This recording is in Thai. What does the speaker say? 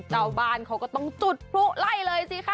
เจ้าบ้านเขาก็ต้องจุดพลุไล่เลยสิคะ